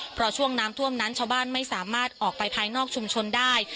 เพราะช่วงน้ำท่วมนั้นชาวบ้านไม่สามารถออกไปภายนอกชุมชนได้